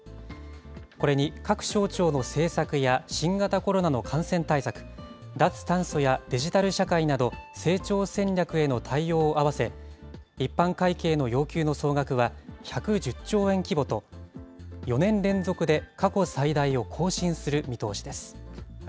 これに各省庁の政策や、新型コロナの感染対策、脱炭素やデジタル社会など、成長戦略への対応を合わせ、一般会計の要求の総額は１１０兆円規模と、４年連続で過去最大を更新する見通しです。